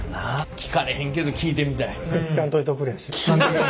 聞かれへんけど聞いてみたい。